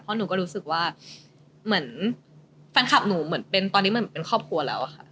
เพราะหนูก็รู้สึกว่าเหมือนแฟนคลับหนูตอนนี้เหมือนเป็นครอบครัวแล้วค่ะ